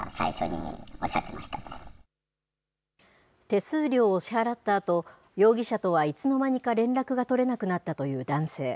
手数料を支払ったあと、容疑者とはいつの間にか連絡が取れなくなったという男性。